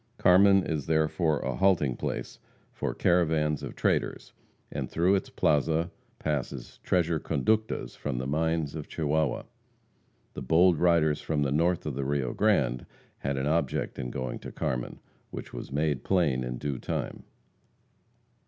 Carmen is therefore a halting place for caravans of traders, and through its plaza passes treasure conductas from the mines of Chihuahua. The bold riders from the north of the Rio Grande had an object in going to Carmen, which was made plain in due time.